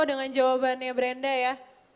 dengan jawabannya brenda ya